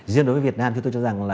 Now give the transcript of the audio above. riêng đối với việt nam tôi cho rằng